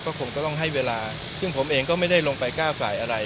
ก็คงต้องให้เวลาซึ่งผมเองก็ไม่ได้ลงไปก้าวไก่อะไร